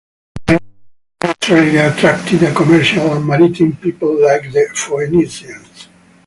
The island naturally attracted a commercial and maritime people like the Phoenicians.